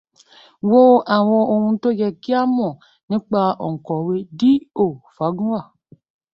Wo àwọn ohun tó yẹ kí o mọ̀ nípa òǹkọ̀wé D. O. Fágúnwà.